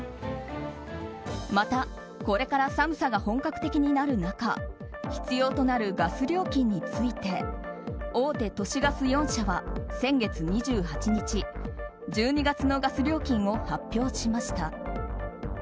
また、これから寒さが本格的になる中必要となるガス料金について大手都市ガス４社は先月２８日１２月のガス料金を発表しました。